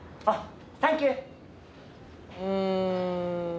あっ！